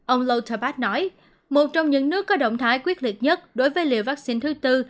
ông lutterbach nói một trong những nước có động thái quyết liệt nhất đối với liệu vaccine thứ tư